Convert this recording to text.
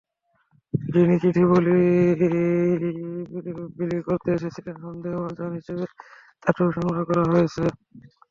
যিনি চিঠি বিলি করতে এসেছিলেন, সন্দেহভাজন হিসেবে তাঁর ছবি সংগ্রহ করা হয়েছে।